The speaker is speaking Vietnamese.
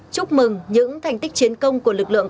chúc mừng những thành tích chiến công của lực lượng